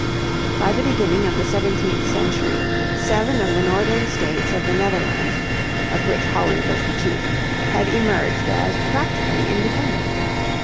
By the beginning of the seventeenth century, seven of the northern states of the Netherlands, of which Holland was the chief, had emerged as practically independent.